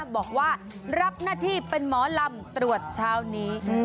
บอกว่ารับหน้าที่เป็นหมอลำตรวจเช้านี้